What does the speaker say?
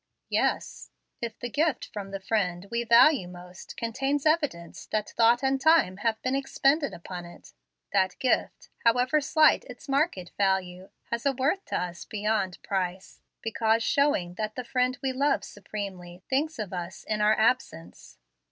"Yes. If the gift from the friend we value most contains evidence that thought and time have been expended upon it, that gift, however slight its market value, has a worth to us beyond price, because showing that the friend we love supremely thinks of us in our absence."